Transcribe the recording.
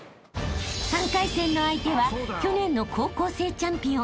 ［３回戦の相手は去年の高校生チャンピオン］